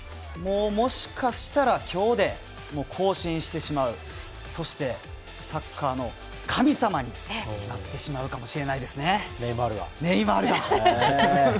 もしかしたら今日で更新してしまうそして、サッカーの神様になってしまうかもしれないですね。